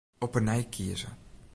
Op 'e nij kieze.